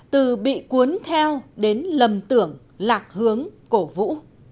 từ bị cuốn theo đến lầm tưởng lạc hướng cổ vũ